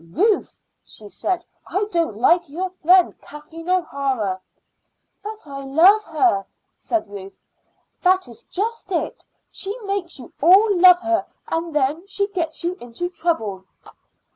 "Ruth," she said, "I don't like your friend Kathleen O'Hara." "But I love her," said Ruth. "That is just it. She makes you all love her and then she gets you into trouble."